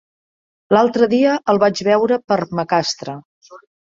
L'altre dia el vaig veure per Macastre.